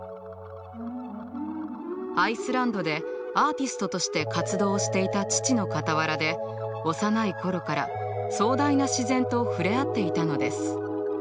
アイスランドでアーティストとして活動していた父の傍らで幼い頃から壮大な自然と触れ合っていたのです。